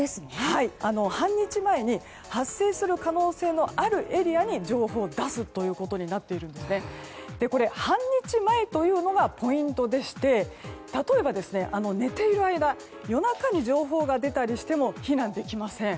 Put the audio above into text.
半日前に発生する可能性のあるエリアに情報を出すということになっているので半日前というのがポイントでして例えば、寝ている間夜中に情報が出たりしても避難できません。